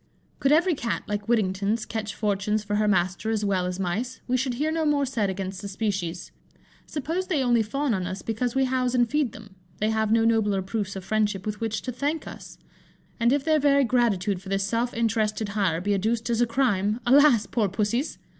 Could every Cat, like Whittington's, catch fortunes for her master as well as mice, we should hear no more said against the species. Suppose they only fawn on us because we house and feed them, they have no nobler proofs of friendship with which to thank us; and if their very gratitude for this self interested hire be adduced as a crime, alas! poor Pussies!